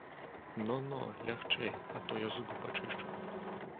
Но, но, лягчэй, а то я зубы пачышчу.